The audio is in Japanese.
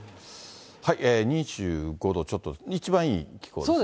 ２５度ちょっと、一番いい気候ですね。